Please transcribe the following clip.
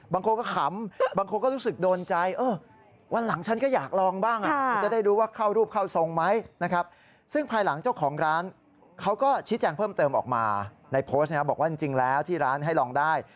บางคนก็ขำบางคนก็รู้สึกโดนใจ